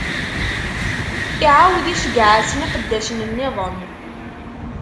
Iɛawed iceggeɛ-asen iqeddacen-nniḍen.